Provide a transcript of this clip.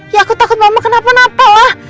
ya aku takut mama kenapa napa ya